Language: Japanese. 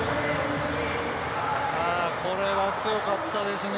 これは強かったですね